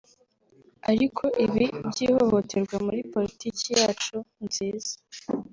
ariko ibi by’ihohoterwa muri politiki yacu nziza